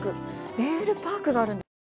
レールパークがあるんですね。